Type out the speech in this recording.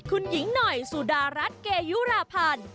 คุณหญิงหน่อยสุดารัฐเกยุราพันธ์